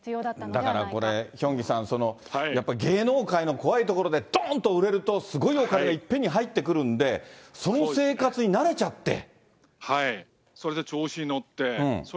だからこれ、ヒョンギさん、やっぱり芸能界の怖いところで、どーんと売れると、すごいお金がいっぺんに入ってくるんで、そのそれで、調子に乗って、それ